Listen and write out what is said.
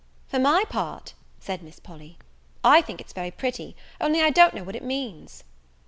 "For my part," said Miss Polly, "I think it's very pretty, only I don't know what it means."